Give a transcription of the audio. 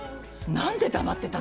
何で黙ってたの？